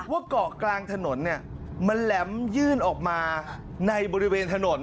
ว่าเกาะกลางถนนเนี่ยมันแหลมยื่นออกมาในบริเวณถนน